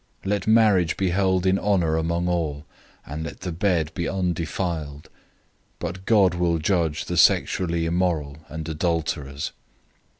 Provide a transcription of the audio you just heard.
013:004 Let marriage be held in honor among all, and let the bed be undefiled: but God will judge the sexually immoral and adulterers.